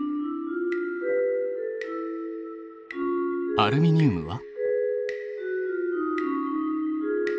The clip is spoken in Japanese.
アルミニウムは？